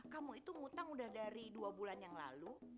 kamu itu ngutang udah dari dua bulan yang lalu